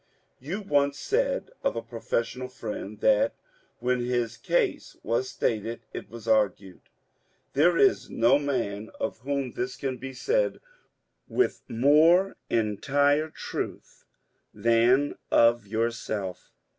You once said of a professional friend that ^^ when his case was stated, it was argued." There is no man of whom this can be said with more entire truth than of yourself.